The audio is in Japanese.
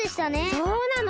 そうなの！